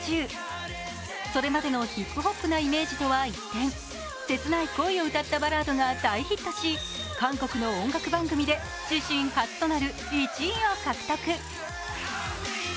それまでのヒップホップなイメージとは一転切ない恋を歌ったバラードが大ヒットし、韓国の音楽番組で自身初となる１位を獲得。